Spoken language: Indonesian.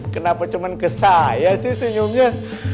kenapa cuma ke saya sih senyumnya